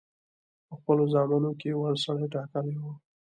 په خپلو زامنو کې وړ سړی ټاکلی وو.